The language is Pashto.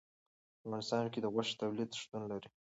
په افغانستان کې د غوښې تولید شتون لري.